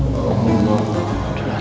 sekarang kita jalan